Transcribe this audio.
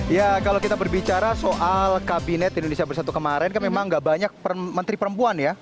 ya kalau kita berbicara soal kabinet indonesia bersatu kemarin kan memang gak banyak menteri perempuan ya